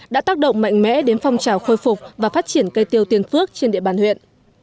đã tác động mạnh mẽ đến phong trào khôi phục và phát triển cây tiêu tiên phước trên địa bàn huyện